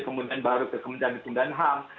kemudian baru ke kemenjahat di pundanham